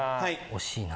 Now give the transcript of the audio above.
惜しいな。